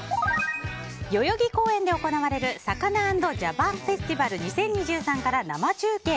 代々木公園で行われる「ＳＡＫＡＮＡ＆ＪＡＰＡＮＦＥＳＴＩＶＡＬ２０２３」から生中継！